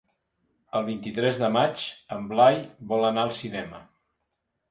El vint-i-tres de maig en Blai vol anar al cinema.